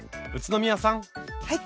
はい。